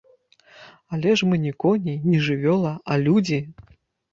Але ж мы не коні, не жывёла, а людзі!